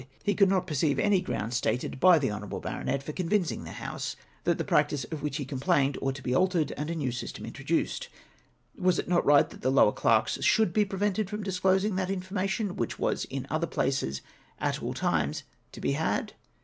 He could not perceive any ground stated b}^ the honourable baronet for convincing the House that the practice of which he complained ought to be altered, and a new system introduced. Was it not right that the lower clerks should be prevented from disclosing that infor mation which was in other places at all times to be had